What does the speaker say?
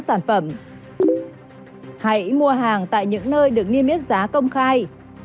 hãy mua hàng tại những nơi được niêm yếu giá công khai